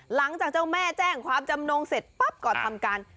หลังจากเจ้าแม่แจ้งความจำนงเสร็จปั๊บก็ทำการ